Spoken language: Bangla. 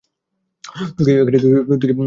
তুই কি নেশা করেছিস?